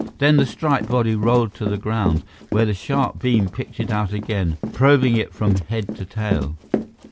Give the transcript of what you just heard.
Then the striped body rolled to the ground, where the sharp beam picked it out again, probing it from head to tail.